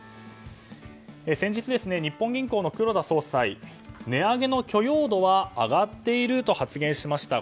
先日、日本銀行の黒田総裁は値上げの許容度は上がっていると発言しました。